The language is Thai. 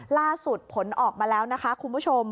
ล่าสุดผลออกมาแล้วนะคะคุณผู้ชม